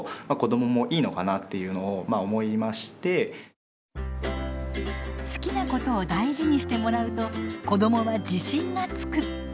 その時にえっと好きなことを大事にしてもらうと子どもは自信がつく。